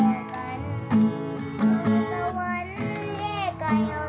ในเคียงคาในแดนหัวหัวใจของคุณ